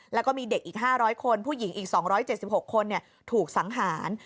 แล้วก็มีเด็กอีก๕๐๐คนผู้หญิงอีก๒๗๖คนถูกสังหาร